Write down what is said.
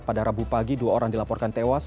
pada rabu pagi dua orang dilaporkan tewas